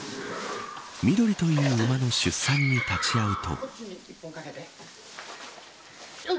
ミドリという馬の出産に立ち会うと。